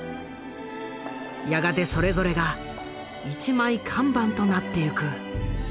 やがてそれぞれが一枚看板となっていく。